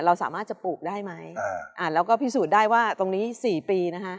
เราสามารถจะปลูกได้ไหมแล้วก็พิสูจน์ได้ว่าตรงนี้สี่ปีนะฮะ